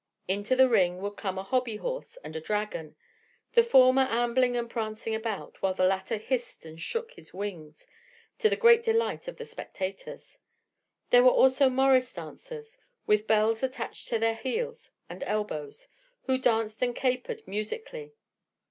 Into the ring would come a hobby horse and a dragon, the former ambling and prancing about, while the latter hissed and shook his wings, to the great delight of the spectators. There were also morris dancers, with bells attached to their knees and elbows, who danced and capered musically.